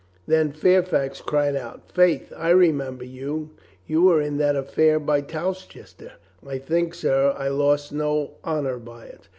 Then Fairfax cried out: "Faith, I remember you ! You were in that affair by Towcester." "I think, sir, I lost no honor by it?"